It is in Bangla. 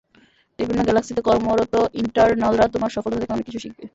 বিভিন্ন গ্যালাক্সিতে কর্মরত ইটারনালরা তোমার সফলতা থেকে অনেক কিছু শিখবে।